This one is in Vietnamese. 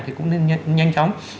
thì cũng nên nhanh chóng